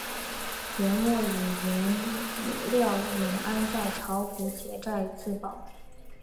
元末与兄廖永安在巢湖结寨自保。